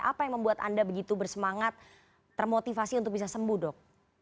apa yang membuat anda begitu bersemangat termotivasi untuk bisa sembuh dok